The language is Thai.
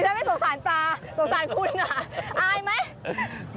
ดิฉันไม่สนสารปลาสนสารคุณค่ะ